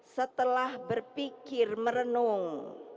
setelah berpikir merenung